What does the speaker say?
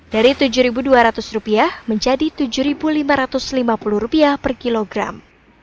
dari tujuh dua ratus rupiah menjadi tujuh lima ratus lima puluh rupiah per kilogram